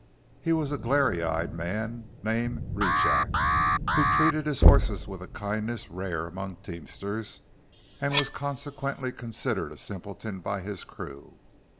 He was a glary eyed man named Rejack, who treated his horses with a kindness rare among teamsters and was consequently considered a simpleton by his crew.